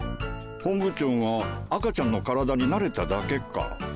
本部長が赤ちゃんの体に慣れただけか？